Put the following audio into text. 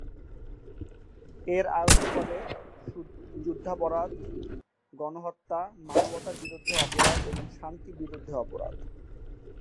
এর আওতায় পড়ে যুদ্ধাপরাধ, গণহত্যা, মানবতার বিরুদ্ধে অপরাধ এবং শান্তির বিরুদ্ধে অপরাধ।